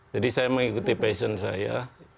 jadi saya mengikuti passion saya